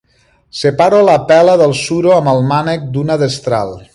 Separo la pela del suro amb el mànec d'una destral.